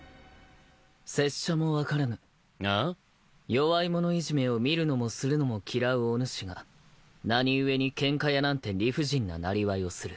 弱い者いじめを見るのもするのも嫌うおぬしが何故に喧嘩屋なんて理不尽ななりわいをする。